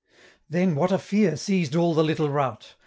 Then what a fear seized all the little rout!